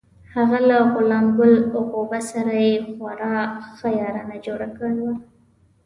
هغه له غلام ګل غوبه سره یې خورا ښه یارانه جوړه کړې وه.